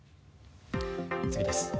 次です。